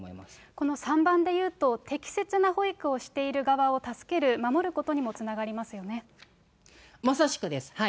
この３番でいうと、適切な保育をしている側を助ける、まさしくです。